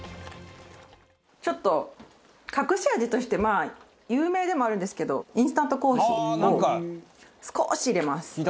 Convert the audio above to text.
ちょっと、隠し味として有名でもあるんですけどインスタントコーヒーを少し入れます。